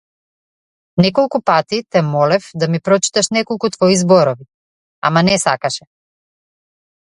Неколку пати те молев да ми прочиташ неколку твои работи, ама не сакаше.